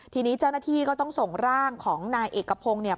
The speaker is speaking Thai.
ทีนี้เจ้าหน้าที่ก็ต้องส่งร่างของนายเอกพงศ์เนี่ย